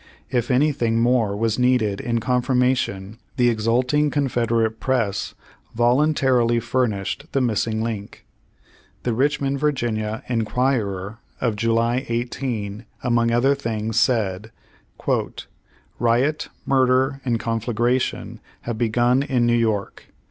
If any thing more was needed in confirmation the exulting Confederate press voluntarily furnished the missing link. The Richmond, Va., Enquirer of July 18, among other things said: "Riot, murder and conflagration have begun in New York.